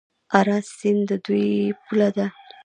اراس سیند د دوی پوله ده.